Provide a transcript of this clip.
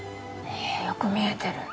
よく見えてる。